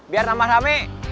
biar nama rame